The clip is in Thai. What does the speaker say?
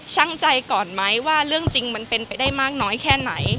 ช่างใจก่อนไหมว่าเรื่องจริงมันเป็นไปได้มากน้อยแค่ไหน